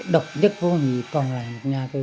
độc đức vô nhị còn là một nhà thôi